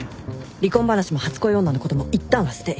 離婚話も初恋女のこともいったんはステイ